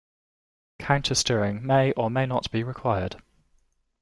Countersteering may or may not be required.